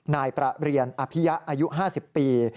นายประเรียนอภิยะอายุ๕๐ปี